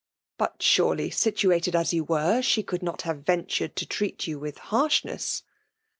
" But surely, situated as you were, she could not have ventured to treat you with harshness?